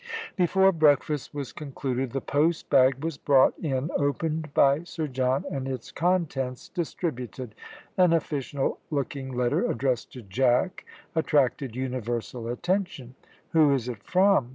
Before breakfast was concluded the post bag was brought in, opened by Sir John, and its contents distributed. An official looking letter, addressed to Jack, attracted universal attention. "Who is it from?"